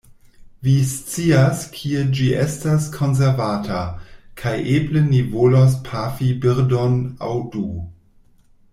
Vi scias kie ĝi estas konservata, kaj eble ni volos pafi birdon aŭ du.